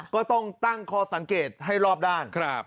ก็ต้องตั้งคอสังเกตให้รอบด้าน